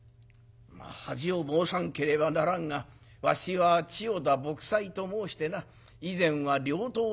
恥を申さなければならぬがわしは千代田卜斎と申してな以前は両刀を手挟んでおった。